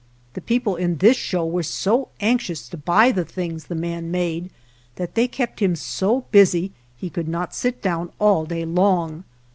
The people in this show were so anxious to buy the things the man made that they kept him so busy he could not sit down all day long.